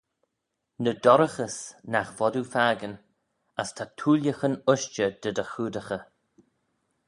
"Ny dorraghys, nagh vod oo fakin; as ta thooillaghyn ushtey dy dty choodaghey."